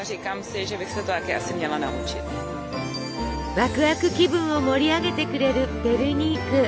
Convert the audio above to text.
ワクワク気分を盛り上げてくれるペルニーク。